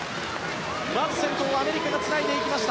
まず先頭はアメリカがつないでいきました。